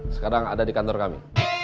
sekarang ada di kantor kami